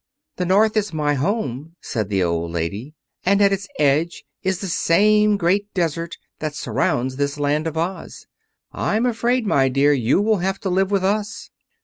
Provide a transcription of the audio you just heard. "The North is my home," said the old lady, "and at its edge is the same great desert that surrounds this Land of Oz. I'm afraid, my dear, you will have to live with us."